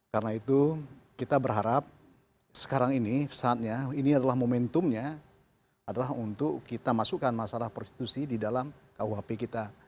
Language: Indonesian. karena itu kita berharap sekarang ini saatnya ini adalah momentumnya adalah untuk kita masukkan masalah prostitusi di dalam kuhp kita